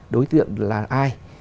đối tượng là ai